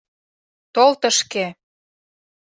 — Тол тышке!